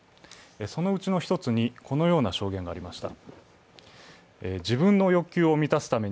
そのうちの１つにこのような証言がありました。